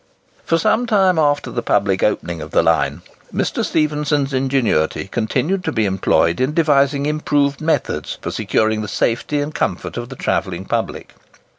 For some time after the public opening of the line, Mr. Stephenson's ingenuity continued to be employed in devising improved methods for securing the safety and comfort of the travelling public.